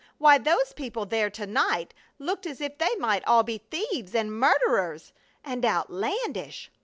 Why, those people there to night looked as if they might all be thieves and murderers! And outlandish!